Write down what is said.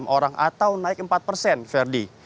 satu ratus lima puluh enam orang atau naik empat persen verdi